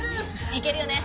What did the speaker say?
いけるよね？